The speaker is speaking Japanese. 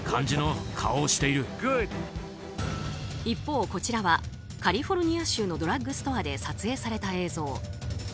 一方、こちらはカリフォルニア州のドラッグストアで撮影された映像。